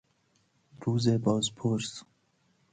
روز بازپرس